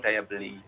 nah yang kedua